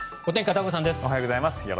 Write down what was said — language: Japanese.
おはようございます。